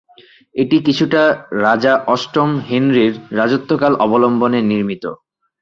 এটি কিছুটা রাজা অষ্টম হেনরির রাজত্বকাল অবলম্বনে নির্মিত।